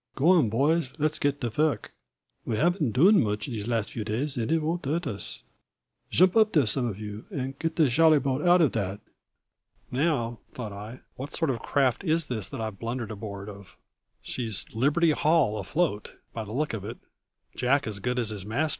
Gome on, poys, led's ged do vork; we haven'd done moosh dese lasd dwo days, und id von'd hurd us. Shoomp ub dere, zome of you und ged de sholly boad oud of dad!" "Now," thought I, "what sort of a craft is this that I've blundered aboard of? She's Liberty Hall afloat, by the look of it Jack as good as his master!